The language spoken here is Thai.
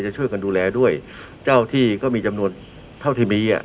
จะช่วยกันดูแลด้วยเจ้าที่ก็มีจำนวนเท่าที่มีอ่ะ